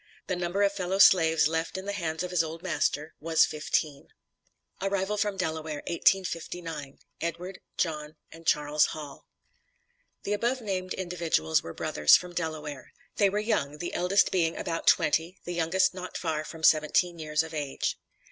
The number of fellow slaves left in the hands of his old master, was fifteen. ARRIVAL FROM DELAWARE, 1859. EDWARD, JOHN, AND CHARLES HALL. The above named individuals were brothers from Delaware. They were young; the eldest being about twenty, the youngest not far from seventeen years of age.